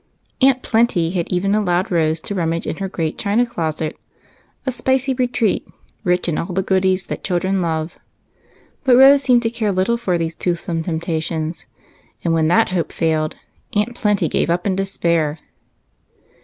Aunt Plenty had even allowed Rose to rummage in her great china closet, — a spicy retreat, rich in all the " goodies " that children love ; but Rose seemed to care little for these toothsome temptations ; and when that hope failed. Aunt Plenty gave up in desj^air.